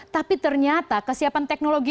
tapi ternyata kesiapan teknologi